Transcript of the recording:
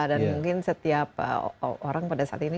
dan mungkin setiap orang pada saat ini